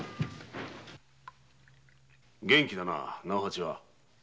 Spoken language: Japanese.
元気だな直八は。